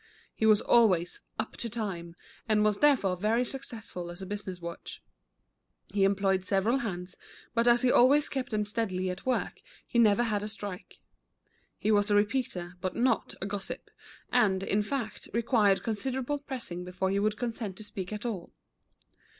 He was always " up to time," and was therefore very successful as a business watch. He employed several hands, but as he always kept them steadily at work, he never had a strike. He was a repeater, but not a gossip, and, in fact, required considerable pressing before he would consent to speak at all.